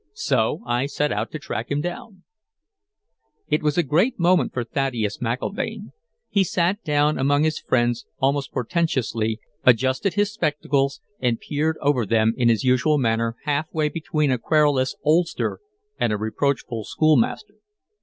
So I set out to track him down...." It was a great moment for Thaddeus McIlvaine. He sat down among his friends almost portentously, adjusted his spectacles, and peered over them in his usual manner, half way between a querulous oldster and a reproachful schoolmaster.